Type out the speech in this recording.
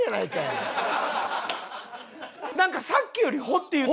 なんかさっきより「ほ」って言ってない？